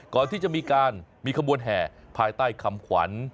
ก่อนที่จะมีการมีขบวนแห่ภายใต้คำขวัญ